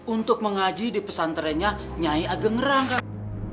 untuk menghaji di pesantrennya nyai ageng rang kang